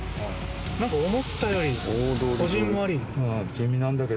なんか思ったよりこぢんまり。